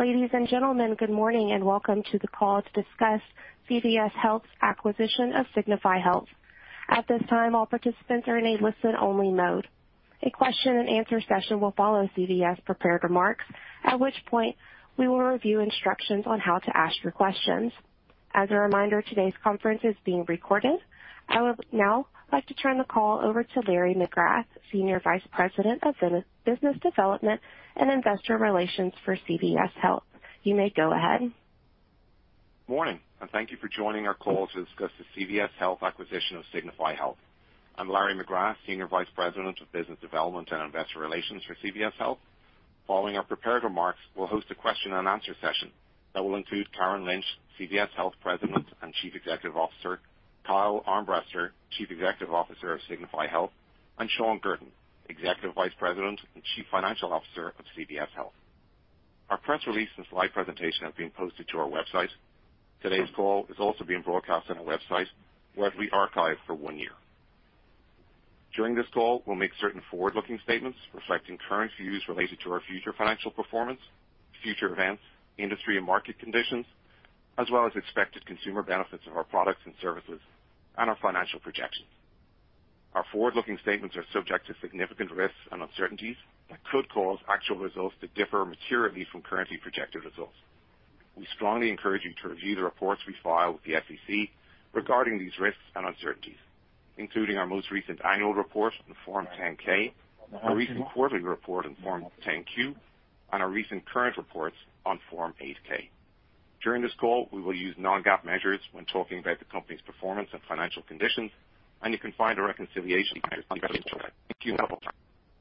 Ladies and gentlemen, good morning, and welcome to the call to discuss CVS Health's acquisition of Signify Health. At this time, all participants are in a listen-only mode. A question and answer session will follow CVS prepared remarks, at which point we will review instructions on how to ask your questions. As a reminder, today's conference is being recorded. I would now like to turn the call over to Larry McGrath, Senior Vice President of Business Development and Investor Relations for CVS Health. You may go ahead. Morning, and thank you for joining our call to discuss the CVS Health acquisition of Signify Health. I'm Larry McGrath, Senior Vice President of Business Development and Investor Relations for CVS Health. Following our prepared remarks, we'll host a question and answer session that will include Karen Lynch, CVS Health President and Chief Executive Officer, Kyle Armbrester, Chief Executive Officer of Signify Health, and Shawn Guertin, Executive Vice President and Chief Financial Officer of CVS Health. Our press release and slide presentation have been posted to our website. Today's call is also being broadcast on our website, where it will be archived for one year. During this call, we'll make certain forward-looking statements reflecting current views related to our future financial performance, future events, industry and market conditions, as well as expected consumer benefits of our products and services and our financial projections. Our forward-looking statements are subject to significant risks and uncertainties that could cause actual results to differ materially from currently projected results. We strongly encourage you to review the reports we file with the SEC regarding these risks and uncertainties, including our most recent annual report on Form 10-K, our recent quarterly report on Form 10-Q, and our recent current reports on Form 8-K. During this call, we will use non-GAAP measures when talking about the company's performance and financial conditions, and you can find a reconciliation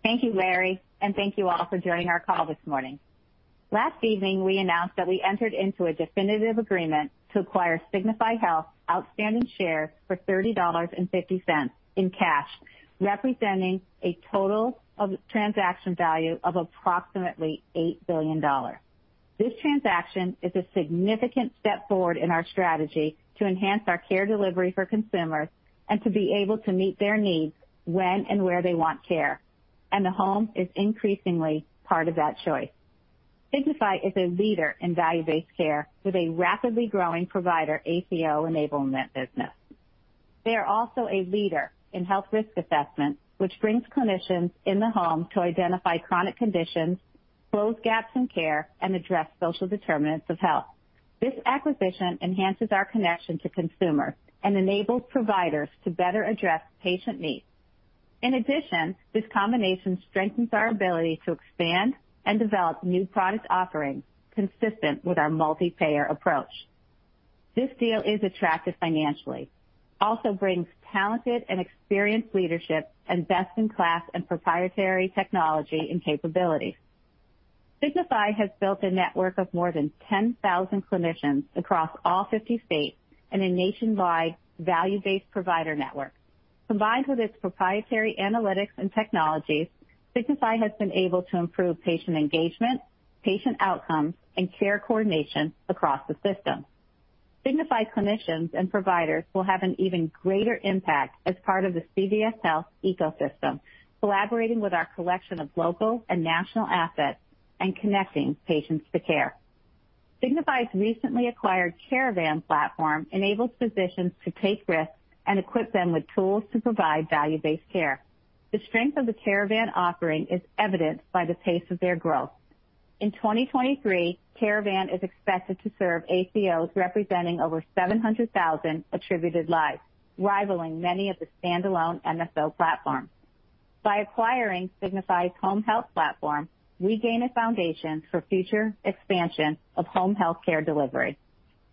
Thank you, Larry, and thank you all for joining our call this morning. Last evening, we announced that we entered into a definitive agreement to acquire Signify Health outstanding shares for $30.50 in cash, representing a total of transaction value of approximately $8 billion. This transaction is a significant step forward in our strategy to enhance our care delivery for consumers and to be able to meet their needs when and where they want care. The home is increasingly part of that choice. Signify is a leader in value-based care with a rapidly growing provider ACO enablement business. They are also a leader in health risk assessment, which brings clinicians in the home to identify chronic conditions, close gaps in care, and address social determinants of health. This acquisition enhances our connection to consumers and enables providers to better address patient needs. In addition, this combination strengthens our ability to expand and develop new product offerings consistent with our multi-payer approach. This deal is attractive financially. Also brings talented and experienced leadership and best-in-class and proprietary technology and capabilities. Signify has built a network of more than 10,000 clinicians across all 50 states and a nationwide value-based provider network. Combined with its proprietary analytics and technologies, Signify has been able to improve patient engagement, patient outcomes, and care coordination across the system. Signify clinicians and providers will have an even greater impact as part of the CVS Health ecosystem, collaborating with our collection of local and national assets and connecting patients to care. Signify's recently acquired Caravan platform enables physicians to take risks and equip them with tools to provide value-based care. The strength of the Caravan offering is evidenced by the pace of their growth. In 2023, Caravan is expected to serve ACOs representing over 700,000 attributed lives, rivaling many of the standalone MSO platforms. By acquiring Signify Health's home health platform, we gain a foundation for future expansion of home healthcare delivery.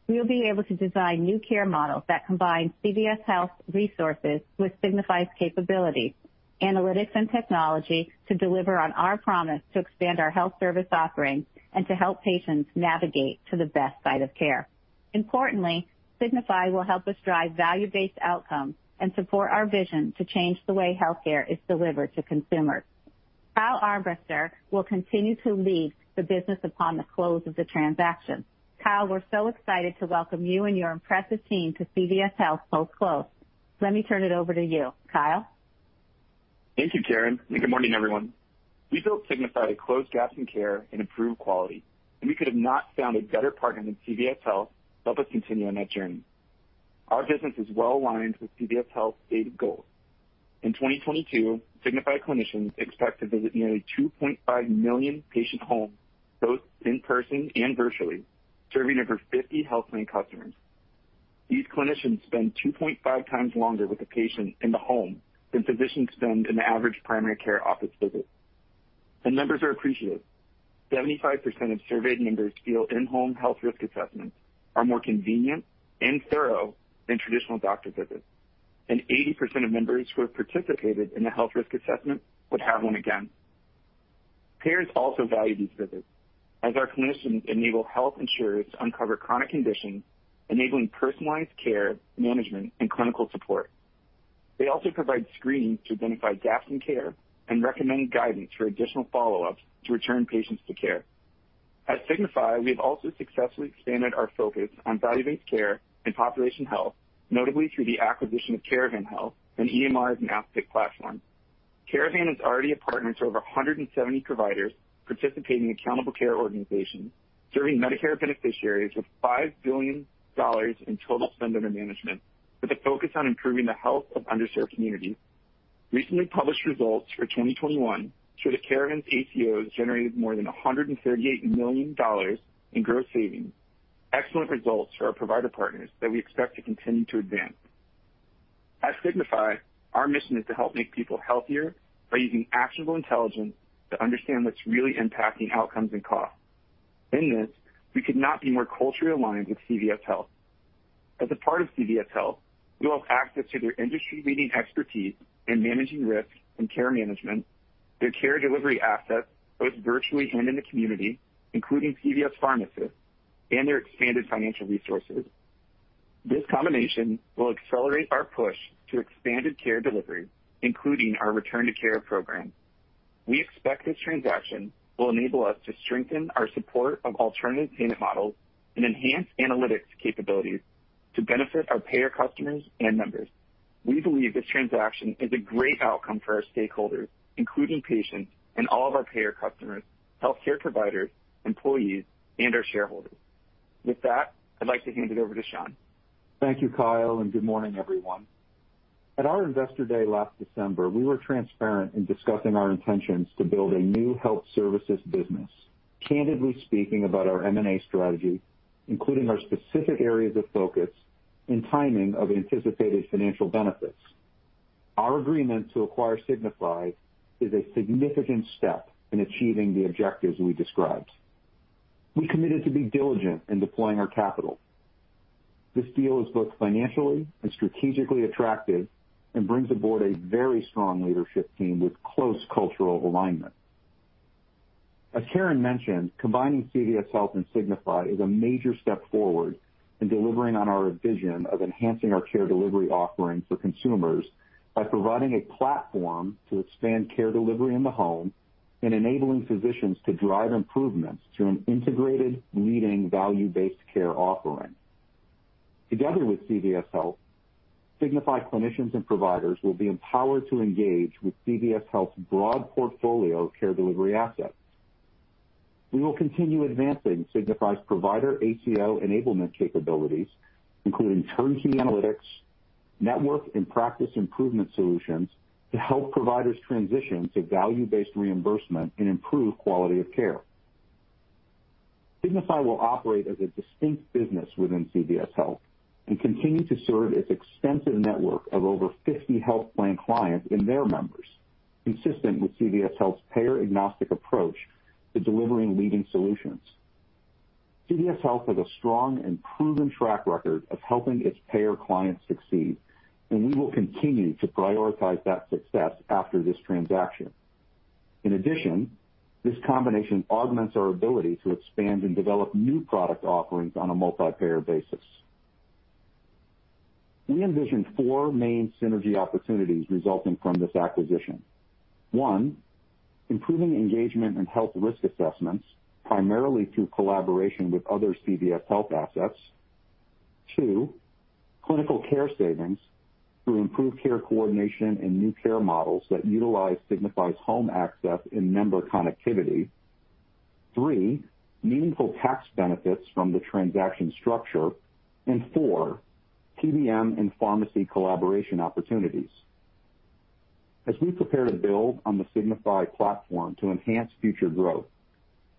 We will be able to design new care models that combine CVS Health resources with Signify Health's capabilities, analytics and technology to deliver on our promise to expand our health service offerings and to help patients navigate to the best site of care. Importantly, Signify Health will help us drive value-based outcomes and support our vision to change the way healthcare is delivered to consumers. Kyle Armbrester will continue to lead the business upon the close of the transaction. Kyle, we're so excited to welcome you and your impressive team to CVS Health so close. Let me turn it over to you, Kyle. Thank you, Karen, and good morning, everyone. We built Signify to close gaps in care and improve quality, and we could have not found a better partner than CVS Health to help us continue on that journey. Our business is well aligned with CVS Health stated goals. In 2022, Signify clinicians expect to visit nearly 2.5 million patient homes, both in person and virtually, serving over 50 health plan customers. These clinicians spend 2.5 times longer with the patient in the home than physicians spend in the average primary care office visit. Members are appreciative. 75% of surveyed members feel in-home health risk assessments are more convenient and thorough than traditional doctor visits. 80% of members who have participated in the health risk assessment would have one again. Payers also value these visits, as our clinicians enable health insurers to uncover chronic conditions, enabling personalized care, management, and clinical support. They also provide screening to identify gaps in care and recommend guidance for additional follow-ups to return patients to care. At Signify, we have also successfully expanded our focus on value-based care and population health, notably through the acquisition of Caravan Health and EMR and Outpatient platforms. Caravan is already a partner to over 170 providers participating in Accountable Care Organization, serving Medicare beneficiaries with $5 billion in total spend under management, with a focus on improving the health of underserved communities. Recently published results for 2021 show that Caravan's ACOs generated more than $138 million in gross savings, excellent results for our provider partners that we expect to continue to advance. At Signify, our mission is to help make people healthier by using actionable intelligence to understand what's really impacting outcomes and costs. In this, we could not be more culturally aligned with CVS Health. As a part of CVS Health, we will have access to their industry-leading expertise in managing risk and care management, their care delivery assets, both virtually and in the community, including CVS pharmacies, and their expanded financial resources. This combination will accelerate our push to expanded care delivery, including our Return to Care program. We expect this transaction will enable us to strengthen our support of alternative payment models and enhance analytics capabilities to benefit our payer customers and members. We believe this transaction is a great outcome for our stakeholders, including patients and all of our payer customers, healthcare providers, employees, and our shareholders. With that, I'd like to hand it over to Shawn Guertin. Thank you, Kyle, and good morning, everyone. At our Investor Day last December, we were transparent in discussing our intentions to build a new health services business, candidly speaking about our M&A strategy, including our specific areas of focus and timing of anticipated financial benefits. Our agreement to acquire Signify is a significant step in achieving the objectives we described. We committed to be diligent in deploying our capital. This deal is both financially and strategically attractive and brings aboard a very strong leadership team with close cultural alignment. As Karen mentioned, combining CVS Health and Signify is a major step forward in delivering on our vision of enhancing our care delivery offering for consumers by providing a platform to expand care delivery in the home and enabling physicians to drive improvements to an integrated, leading value-based care offering. Together with CVS Health, Signify clinicians and providers will be empowered to engage with CVS Health's broad portfolio of care delivery assets. We will continue advancing Signify's provider ACO enablement capabilities, including turn-key analytics, network and practice improvement solutions to help providers transition to value-based reimbursement and improve quality of care. Signify will operate as a distinct business within CVS Health and continue to serve its extensive network of over 50 health plan clients and their members, consistent with CVS Health's payer-agnostic approach to delivering leading solutions. CVS Health has a strong and proven track record of helping its payer clients succeed, and we will continue to prioritize that success after this transaction. In addition, this combination augments our ability to expand and develop new product offerings on a multi-payer basis. We envision four main synergy opportunities resulting from this acquisition. Improving engagement and health risk assessments, primarily through collaboration with other CVS Health assets. 2, clinical care savings through improved care coordination and new care models that utilize Signify's home access and member connectivity. 3, meaningful tax benefits from the transaction structure. 4, PBM and pharmacy collaboration opportunities. As we prepare to build on the Signify platform to enhance future growth,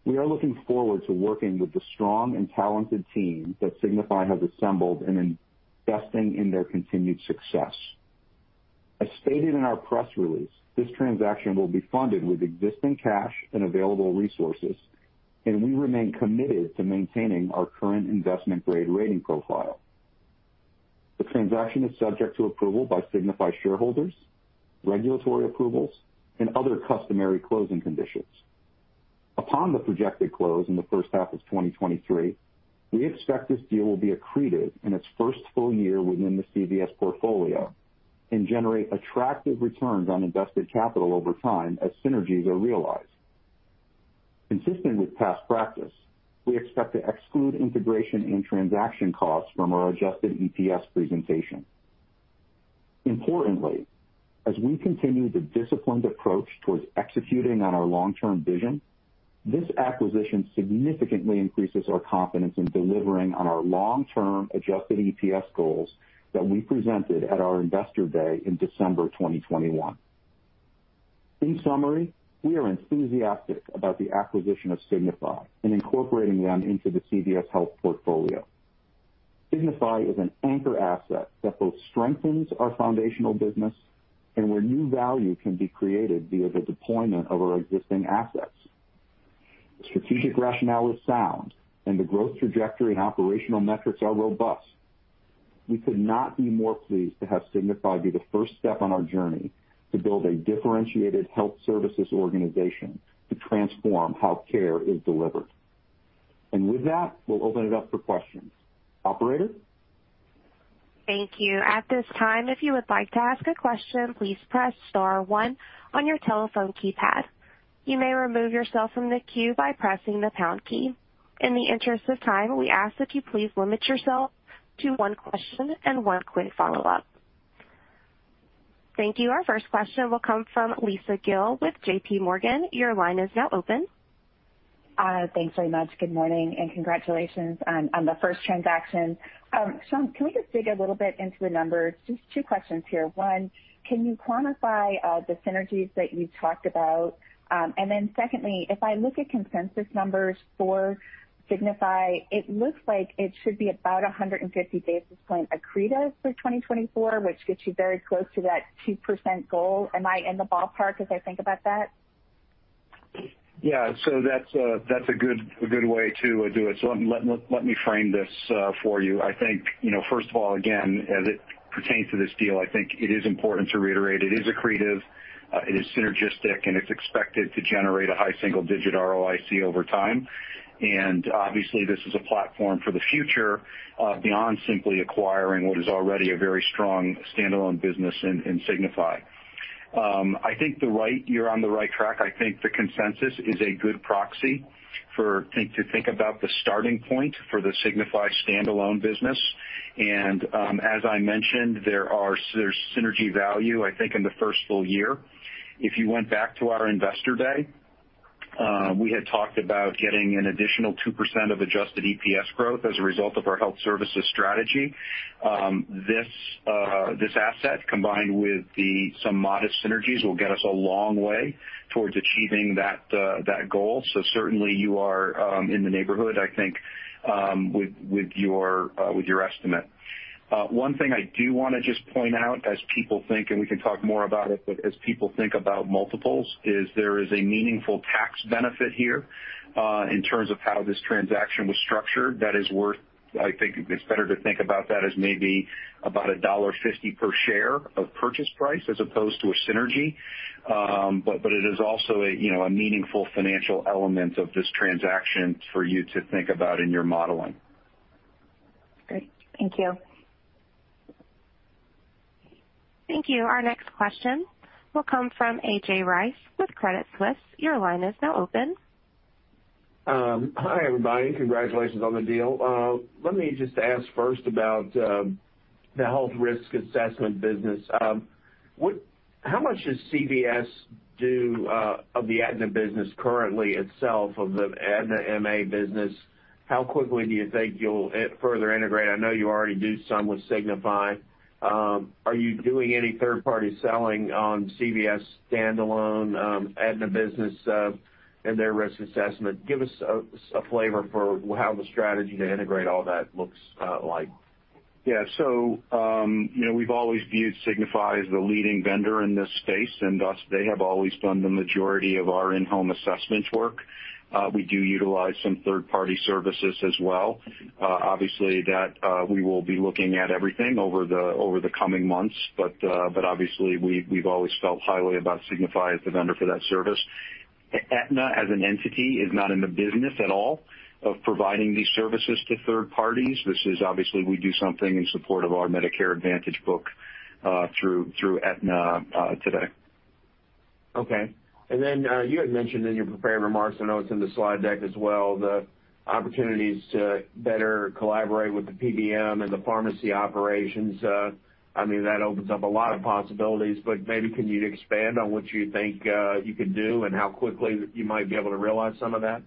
we are looking forward to working with the strong and talented team that Signify has assembled and investing in their continued success. As stated in our press release, this transaction will be funded with existing cash and available resources, and we remain committed to maintaining our current investment-grade rating profile. The transaction is subject to approval by Signify shareholders, regulatory approvals, and other customary closing conditions. Upon the projected close in the first half of 2023, we expect this deal will be accretive in its first full year within the CVS portfolio and generate attractive returns on invested capital over time as synergies are realized. Consistent with past practice, we expect to exclude integration and transaction costs from our adjusted EPS presentation. Importantly, as we continue the disciplined approach towards executing on our long-term vision, this acquisition significantly increases our confidence in delivering on our long-term adjusted EPS goals that we presented at our Investor Day in December 2021. In summary, we are enthusiastic about the acquisition of Signify Health and incorporating them into the CVS Health portfolio. Signify Health is an anchor asset that both strengthens our foundational business and where new value can be created via the deployment of our existing assets. The strategic rationale is sound, and the growth trajectory and operational metrics are robust. We could not be more pleased to have Signify be the first step on our journey to build a differentiated health services organization to transform how care is delivered. With that, we'll open it up for questions. Operator? Thank you. At this time, if you would like to ask a question, please press star one on your telephone keypad. You may remove yourself from the queue by pressing the pound key. In the interest of time, we ask that you please limit yourself to one question and one quick follow-up. Thank you. Our first question will come from Lisa Gill with JP Morgan. Your line is now open. Thanks very much. Good morning, and congratulations on the first transaction. Shawn, can we just dig a little bit into the numbers? Just two questions here. One, can you quantify the synergies that you talked about? And then secondly, if I look at consensus numbers for Signify, it looks like it should be about 150 basis point accretive for 2024, which gets you very close to that 2% goal. Am I in the ballpark as I think about that? That's a good way to do it. Let me frame this for you. I think first of all, again, as it pertains to this deal, I think it is important to reiterate it is accretive, it is synergistic, and it's expected to generate a high single-digit ROIC over time. Obviously, this is a platform for the future, beyond simply acquiring what is already a very strong standalone business in Signify. I think you're on the right track. I think the consensus is a good proxy to think about the starting point for the Signify standalone business. As I mentioned, there's synergy value, I think, in the first full year. If you went back to our Investor Day, we had talked about getting an additional 2% of adjusted EPS growth as a result of our health services strategy. This asset, combined with some modest synergies, will get us a long way towards achieving that goal. Certainly, you are in the neighborhood, I think, with your estimate. One thing I do want to just point out as people think, and we can talk more about it, but as people think about multiples, is there is a meaningful tax benefit here in terms of how this transaction was structured that is worth, I think, it's better to think about that as maybe about $1.50 per share of purchase price as opposed to a synergy. It is also a a meaningful financial element of this transaction for you to think about in your modeling. Great. Thank you. Thank you. Our next question will come from A.J. Rice with Credit Suisse. Your line is now open. Hi, everybody. Congratulations on the deal. Let me just ask first about the health risk assessment business. How much does CVS do of the Aetna business currently itself of the Aetna MA business? How quickly do you think you'll further integrate? I know you already do some with Signify. Are you doing any third-party selling on CVS standalone Aetna business, and their risk assessment? Give us a flavor for how the strategy to integrate all that looks like. Yeah. We've always viewed Signify as the leading vendor in this space, and thus, they have always done the majority of our in-home assessment work. We do utilize some third-party services as well. Obviously, that we will be looking at everything over the coming months, but obviously, we've always felt highly about Signify as the vendor for that service. Aetna, as an entity, is not in the business at all of providing these services to third parties. This is obviously, we do something in support of our Medicare Advantage book, through Aetna, today. Okay. You had mentioned in your prepared remarks, I know it's in the slide deck as well, the opportunities to better collaborate with the PBM and the pharmacy operations. I mean, that opens up a lot of possibilities, but maybe can you expand on what you think you can do and how quickly you might be able to realize some of that?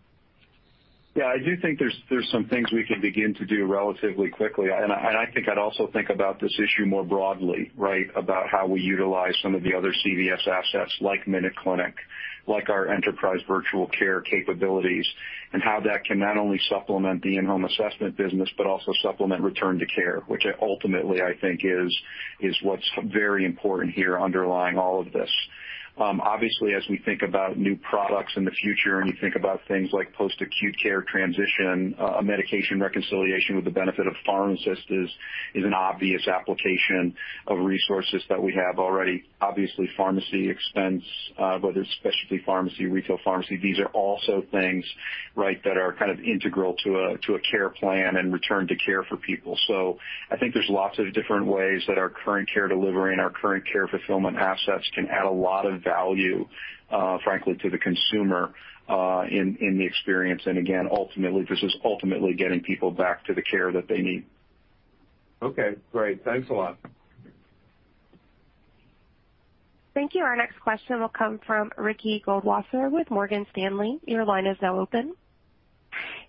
Yeah. I do think there's some things we can begin to do relatively quickly. I think I'd also think about this issue more broadly, right? About how we utilize some of the other CVS assets like MinuteClinic, like our enterprise virtual care capabilities, and how that can not only supplement the in-home assessment business but also supplement Return to Care, which ultimately, I think is what's very important here underlying all of this. Obviously, as we think about new products in the future, and you think about things like post-acute care transition, medication reconciliation with the benefit of pharmacists is an obvious application of resources that we have already. Obviously, pharmacy expense, whether it's specialty pharmacy, retail pharmacy, these are also things, right, that are kind of integral to a care plan and Return to Care for people. I think there's lots of different ways that our current care delivery and our current care fulfillment assets can add a lot of value, frankly, to the consumer, in the experience. Again, ultimately, this is getting people back to the care that they need. Okay, great. Thanks a lot. Thank you. Our next question will come from Ricky Goldwasser with Morgan Stanley. Your line is now open.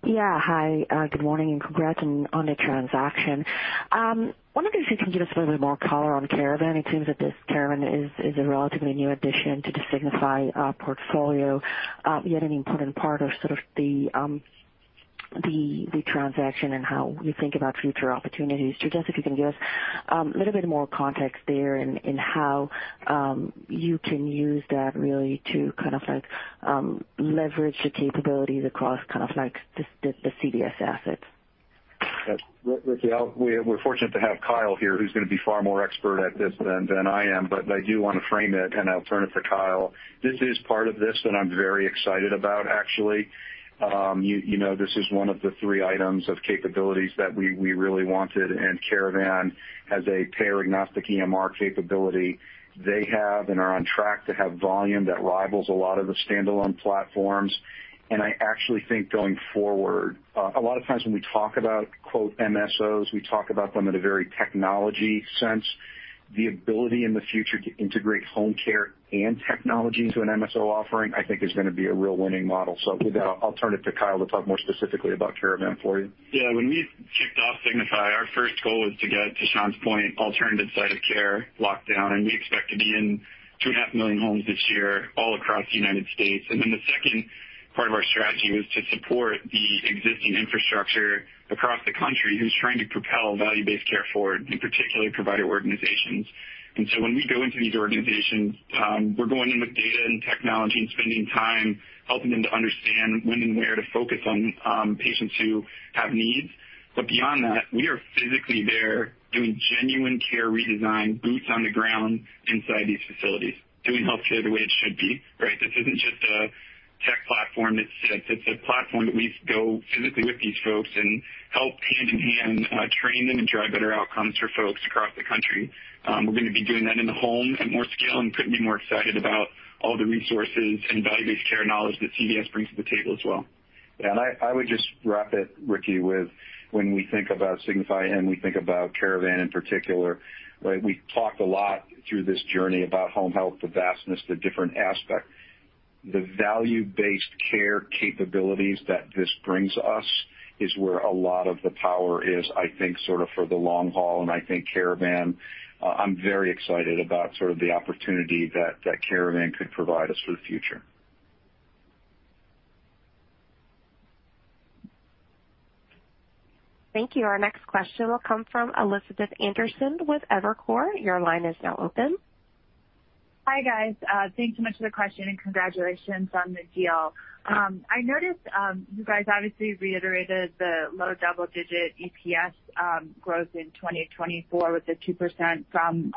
Yeah. Hi, good morning, and congrats on the transaction. I wonder if you can give us a little bit more color on Caravan. It seems that this Caravan is a relatively new addition to the Signify portfolio, yet an important part of sort of the transaction and how you think about future opportunities. Just if you can give us a little bit more context there in how you can use that really to kind of like leverage the capabilities across kind of like the CVS assets. Yes. Ricky, we're fortunate to have Kyle here, who's going to be far more expert at this than I am, but I do want to frame it, and I'll turn it to Kyle. This is part of this that I'm very excited about, actually. This is one of the three items of capabilities that we really wanted, and Caravan has a payer-agnostic EMR capability. They have and are on track to have volume that rivals a lot of the standalone platforms. I actually think going forward, a lot of times when we talk about, quote, MSOs, we talk about them in a very technology sense. The ability in the future to integrate home care and technology into an MSO offering, I think is going to be a real winning model. With that, I'll turn it to Kyle to talk more specifically about Caravan for you. Yeah. When we kicked off Signify, our first goal was to get, to Shawn's point, alternative site of care locked down, and we expect to be in 2.5 million homes this year all across the United States. The second part of our strategy was to support the existing infrastructure across the country who's trying to propel value-based care forward, in particular, provider organizations. When we go into these organizations, we're going in with data and technology and spending time helping them to understand when and where to focus on patients who have needs. Beyond that, we are physically there doing genuine care redesign, boots on the ground inside these facilities, doing healthcare the way it should be, right? This isn't just a tech platform that's sits. It's a platform that we go physically with these folks and help hand in hand, train them and drive better outcomes for folks across the country. We're going to be doing that in the home at more scale, and couldn't be more excited about all the resources and value-based care knowledge that CVS brings to the table as well. Yeah. I would just wrap it, Ricky, with when we think about Signify and we think about Caravan in particular, right? We've talked a lot through this journey about home health, the vastness, the different aspect. The value-based care capabilities that this brings us is where a lot of the power is, I think, sort of for the long haul. I think Caravan, I'm very excited about sort of the opportunity that Caravan could provide us for the future. Thank you. Our next question will come from Elizabeth Anderson with Evercore. Your line is now open. Hi, guys. Thanks so much for the question, and congratulations on the deal. I noticed you guys obviously reiterated the low double-digit EPS growth in 2024 with the 2% from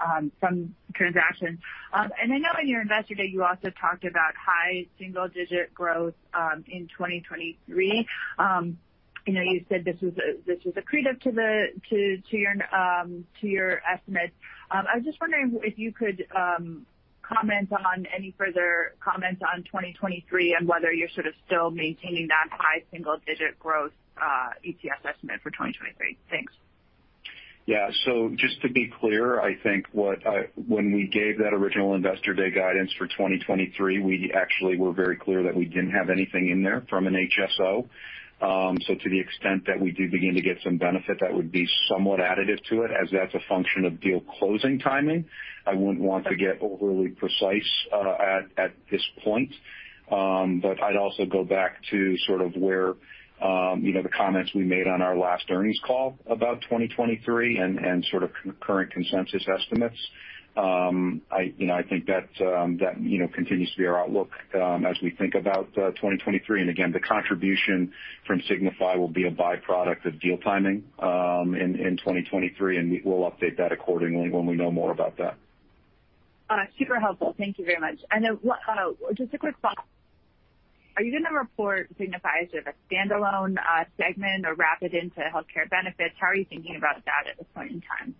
transaction. I know in your Investor Day, you also talked about high single-digit growth in 2023. You said this was accretive to your estimate. I was just wondering if you could comment on any further comments on 2023 and whether you're sort of still maintaining that high single-digit growth EPS estimate for 2023. Thanks. Yeah. Just to be clear, I think when we gave that original Investor Day guidance for 2023, we actually were very clear that we didn't have anything in there from an HSO. To the extent that we do begin to get some benefit, that would be somewhat additive to it as that's a function of deal closing timing. I wouldn't want to get overly precise at this point. I'd also go back to sort of where you know the comments we made on our last earnings call about 2023 and sort of concurrent consensus estimates. I think that continues to be our outlook as we think about 2023. Again, the contribution from Signify will be a byproduct of deal timing, in 2023, and we will update that accordingly when we know more about that. Super helpful. Thank you very much. Just a quick follow-up. Are you going to report Signify as sort of a standalone segment or wrap it into healthcare benefits? How are you thinking about that at this point in time?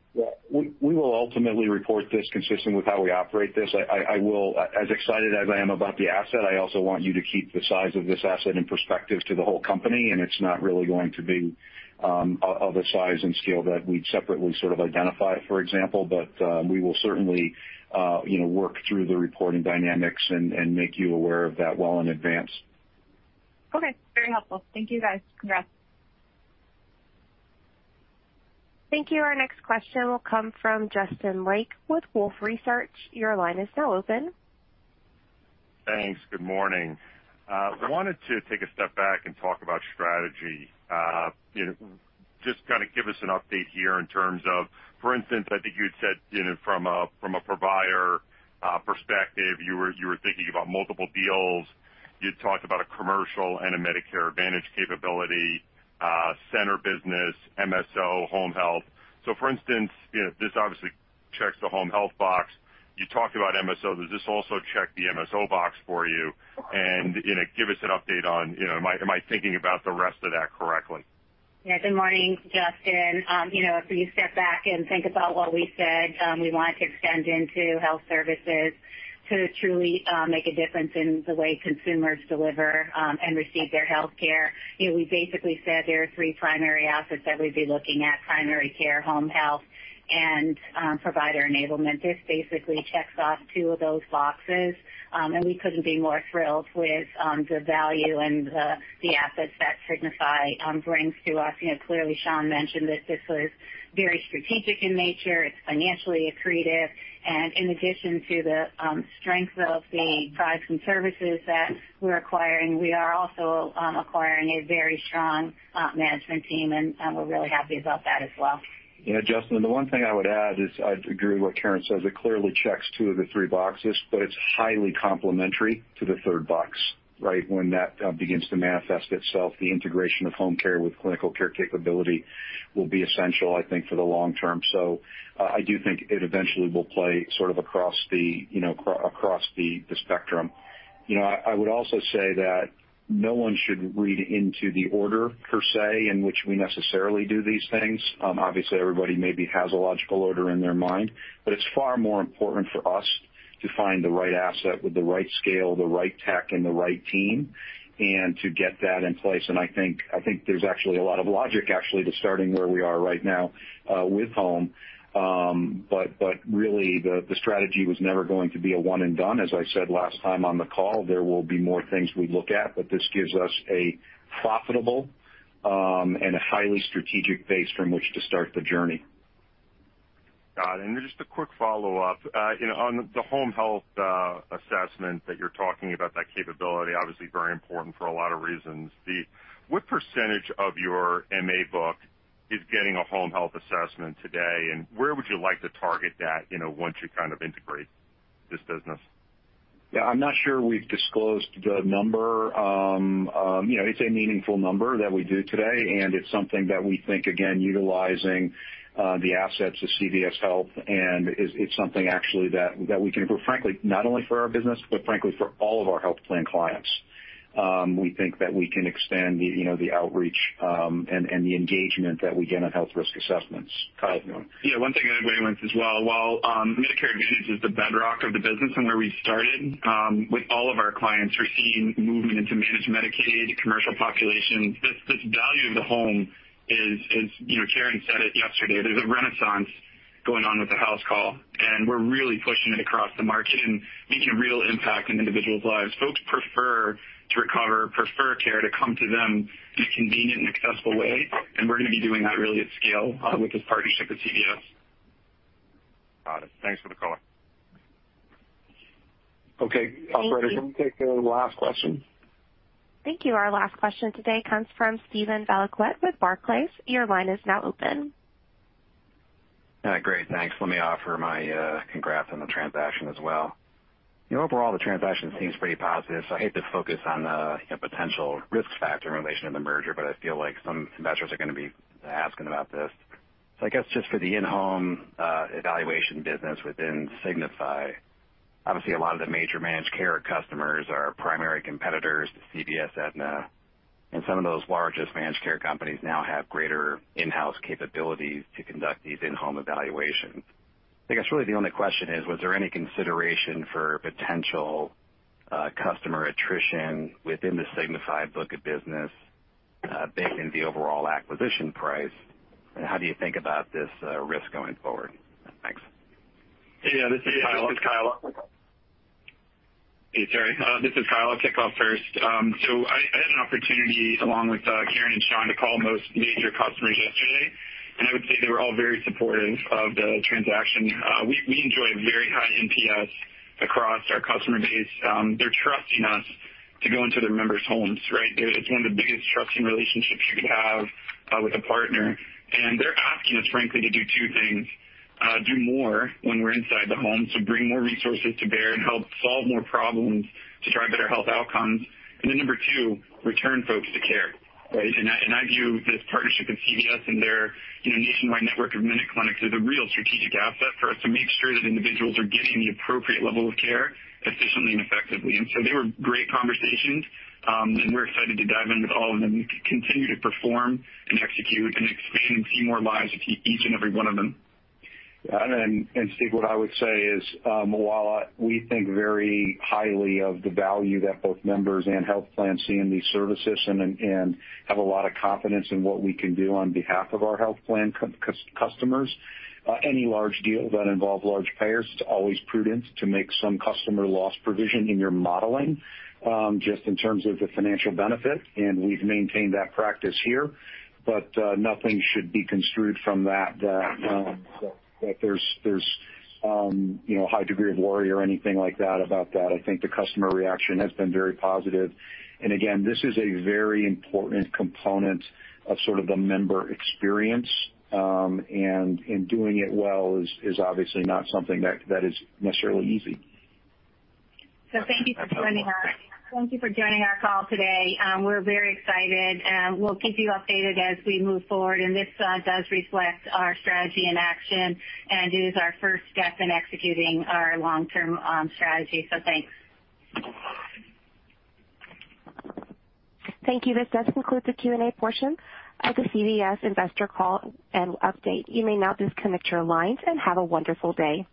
We will ultimately report this consistent with how we operate this. As excited as I am about the asset, I also want you to keep the size of this asset in perspective to the whole company, and it's not really going to be of a size and scale that we'd separately sort of identify, for example. We will certainly you know work through the reporting dynamics and make you aware of that well in advance. Okay. Very helpful. Thank you, guys. Congrats. Thank you. Our next question will come from Justin Lake with Wolfe Research. Your line is now open. Thanks. Good morning. I wanted to take a step back and talk about strategy. Just kinda give us an update here in terms of, for instance, I think you had said from a provider perspective, you were thinking about multiple deals. You talked about a commercial and a Medicare Advantage capability, center business, MSO, home health. So for instance this obviously checks the home health box. You talked about MSO. Does this also check the MSO box for you? Give us an update on am I thinking about the rest of that correctly? Yeah. Good morning, Justin. If we step back and think about what we said, we wanted to extend into health services to truly make a difference in the way consumers deliver and receive their healthcare. We basically said there are three primary assets that we'd be looking at: primary care, home health, and provider enablement. This basically checks off two of those boxes. And we couldn't be more thrilled with the value and the assets that Signify brings to us. Clearly, Sean mentioned that this was very strategic in nature. It's financially accretive. In addition to the strength of the products and services that we're acquiring, we are also acquiring a very strong management team, and we're really happy about that as well. Yeah, Justin, the one thing I would add is I agree with what Karen says. It clearly checks two of the three boxes, but it's highly complementary to the third box, right? When that begins to manifest itself, the integration of home care with clinical care capability will be essential, I think, for the long term. I do think it eventually will play sort of across the across the spectrum. I would also say that no one should read into the order, per se, in which we necessarily do these things. Obviously, everybody maybe has a logical order in their mind, but it's far more important for us to find the right asset with the right scale, the right tech, and the right team, and to get that in place. I think there's actually a lot of logic, actually, to starting where we are right now with home. But really the strategy was never going to be a one and done. As I said last time on the call, there will be more things we look at, but this gives us a profitable and a highly strategic base from which to start the journey. Got it. Just a quick follow-up. On the home health assessment that you're talking about, that capability, obviously very important for a lot of reasons. What percentage of your MA book is getting a home health assessment today, and where would you like to target that once you kind of integrate this business? Yeah, I'm not sure we've disclosed the number. It's a meaningful number that we do today, and it's something that we think, again, utilizing the assets of CVS Health, and it's something actually that we can improve, frankly, not only for our business, but frankly for all of our health plan clients. We think that we can expand the the outreach, and the engagement that we get on health risk assessments. Kyle? Yeah. One thing I'd weigh in with as well. While Medicare Advantage is the bedrock of the business and where we started with all of our clients, we're seeing movement into managed Medicaid, commercial populations. This value of the home is Karen said it yesterday, there's a renaissance going on with the house call, and we're really pushing it across the market and making a real impact in individuals' lives. Folks prefer to recover, prefer care to come to them in a convenient and accessible way, and we're going to be doing that really at scale with this partnership with CVS. Got it. Thanks for the color. Okay. Thank you. Operator, can we take the last question? Thank you. Our last question today comes from Steven Valiquette with Barclays. Your line is now open. Great, thanks. Let me offer my congrats on the transaction as well. Overall, the transaction seems pretty positive, so I hate to focus on the potential risk factor in relation to the merger, but I feel like some investors are going to be asking about this. I guess just for the in-home evaluation business within Signify, obviously, a lot of the major managed care customers are primary competitors to CVS, Aetna, and some of those largest managed care companies now have greater in-home capabilities to conduct these in-home evaluations. I guess, really the only question is, was there any consideration for potential customer attrition within the Signify book of business baked in the overall acquisition price? How do you think about this risk going forward? Thanks. Yeah. This is Kyle. Hey, Steven. This is Kyle. I'll kick off first. I had an opportunity along with Karen and Shawn to call most major customers yesterday, and I would say they were all very supportive of the transaction. We enjoy a very high NPS across our customer base. They're trusting us to go into their members' homes, right? It's one of the biggest trusting relationships you could have with a partner. They're asking us, frankly, to do two things, do more when we're inside the home, so bring more resources to bear and help solve more problems to drive better health outcomes. Number two, Return to Care, right? I view this partnership with CVS and their nationwide network of MinuteClinics as a real strategic asset for us to make sure that individuals are getting the appropriate level of care efficiently and effectively. They were great conversations, and we're excited to dive in with all of them, continue to perform and execute and expand and see more lives with each and every one of them. Yeah. Steve, what I would say is, while we think very highly of the value that both members and health plans see in these services and have a lot of confidence in what we can do on behalf of our health plan customers, any large deal that involve large payers, it's always prudent to make some customer loss provision in your modeling, just in terms of the financial benefit, and we've maintained that practice here. Nothing should be construed from that there's you know a high degree of worry or anything like that about that. I think the customer reaction has been very positive. Again, this is a very important component of sort of the member experience, and doing it well is obviously not something that is necessarily easy. Thank you for joining us. Thank you for joining our call today. We're very excited. We'll keep you updated as we move forward, and this does reflect our strategy in action and is our first step in executing our long-term strategy. Thanks. Thank you. This does conclude the Q&A portion of the CVS investor call and update. You may now disconnect your lines, and have a wonderful day.